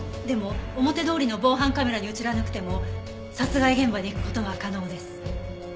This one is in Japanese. でも表通りの防犯カメラに映らなくても殺害現場に行く事は可能です。